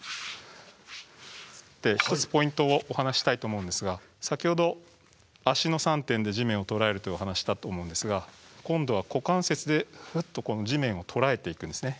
１つポイントをお話ししたいと思うんですが先ほど足の３点で地面を捉えるというお話したと思うんですが今度は股関節でぐっと地面を捉えていくんですね。